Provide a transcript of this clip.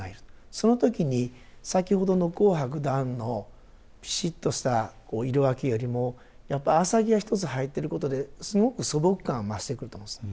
その時に先ほどの紅白段のピシッとした色分けよりもやっぱり浅葱が一つ入ってることですごく素朴感増してくると思うんです。